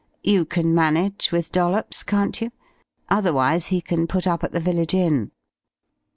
You can manage with Dollops, can't you? Otherwise he can put up at the village inn."